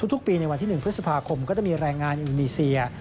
ทุกปีในวันที่๑พฤษภาคมก็จะมีแรงงานอินโดนีเซีย